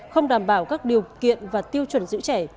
không đảm bảo các điều kiện và tiêu chuẩn giữ trẻ